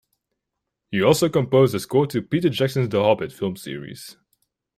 He also composed the score to Peter Jackson's "The Hobbit" film series.